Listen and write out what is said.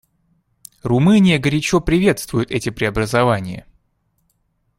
Румыния горячо приветствует эти преобразования.